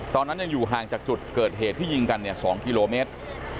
ตอนนั้นยังอยู่ห่างจากจุดเกิดเหตุที่ยิงกัน๒กิโลเมตร